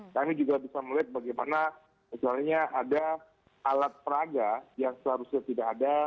kami juga bisa melihat bagaimana misalnya ada alat peraga yang seharusnya tidak ada